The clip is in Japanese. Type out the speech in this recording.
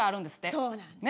そうなのね。